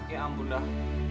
ya ampun dah